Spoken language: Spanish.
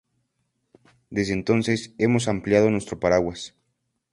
Desde entonces, hemos ampliado nuestro paraguas".